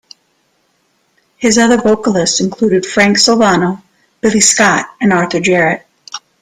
His other vocalists included Frank Sylvano, Billy Scott, and Arthur Jarrett.